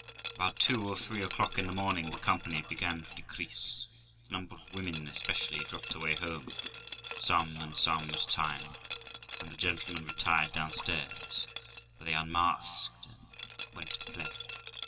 About two or three o'clock in the morning the company began to decrease ; the number of women especially dropped away home, some and some at a time; and the gentlemen retired downstairs, where they unmasked and went to play.